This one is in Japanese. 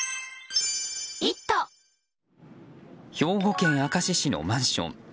兵庫県明石市のマンション。